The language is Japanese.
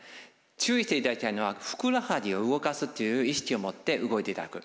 注意していただきたいのはふくらはぎを動かすという意識をもって動いていただく。